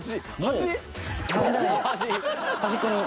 端っこに。